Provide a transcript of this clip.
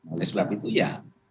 oleh sebab itu ya